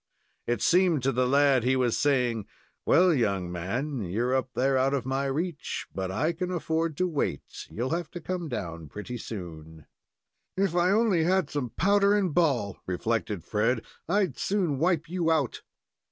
It seemed to the lad that he was saying: "Well, young man, you're up there out of my reach, but I can afford to wait; you'll have to come down pretty soon." "If I only had some powder and ball," reflected Fred, "I'd soon wipe you out."